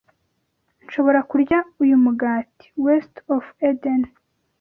Nshobora kurya uyu mugati? (WestofEden)